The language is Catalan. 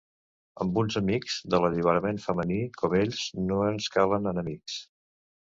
Amb uns amics de l'alliberament femení com ells no ens calen enemics.